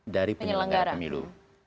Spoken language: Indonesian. dari penyelenggara pemilu